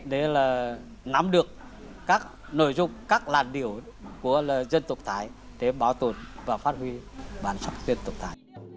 để là nắm được các nội dung các làn điệu của dân tộc thái để bảo tồn và phát huy bản sắc dân tộc thái